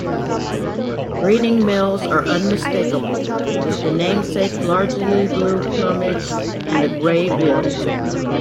Breeding males are unmistakable, with the namesake largely blue plumage and a grey bill.